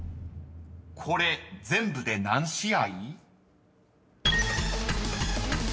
［これ全部で何試合？］